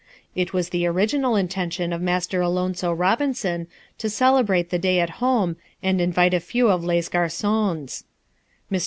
It was the original intention of Master Alonzo Robinson to celebrate the day at home and invite a few of les garçons. Mr.